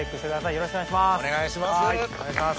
よろしくお願いします！